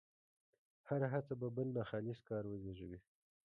هره هڅه به بل ناخالص کار وزېږوي.